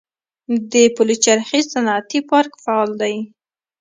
د پلچرخي صنعتي پارک فعال دی